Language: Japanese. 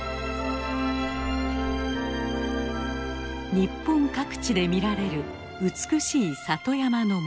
日本各地で見られる美しい里山の森。